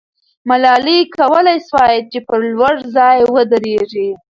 ملالۍ کولای سوای چې پر لوړ ځای ودریږي.